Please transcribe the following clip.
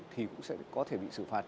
thì cũng sẽ có thể bị xử phạt